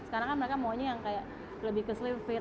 karena kan mereka maunya yang kayak lebih ke slim fit